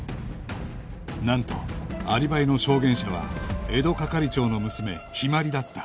なんとアリバイの証言者は江戸係長の娘陽葵だった